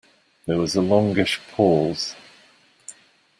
There was a longish pause.